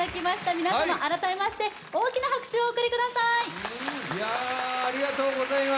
皆様、改めまして、大きな拍手をお送りください。